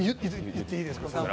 言っていいですか？